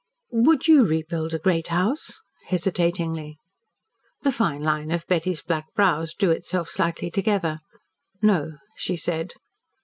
Would you rebuild a great house?" hesitatingly. The fine line of Betty's black brows drew itself slightly together. "No," she said.